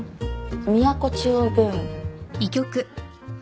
都中央病院？